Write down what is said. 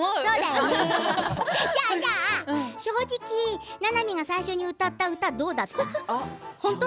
じゃあじゃあ正直ななみが最初に歌った歌どうだった？